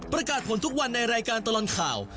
ประกาศผลทุกวันในรายการตลอดข่าว